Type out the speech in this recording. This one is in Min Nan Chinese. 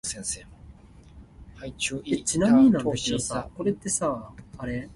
海水會焦，石頭會爛